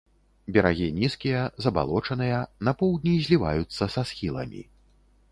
Берагі нізкія, забалочаныя, на поўдні зліваюцца са схіламі.